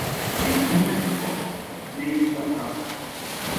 Ne'írãiko neryguatã.